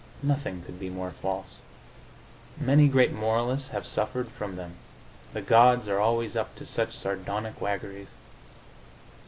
Nothing could be more false. Many great moralists have suffered from them: the gods are always up to such sardonic waggeries.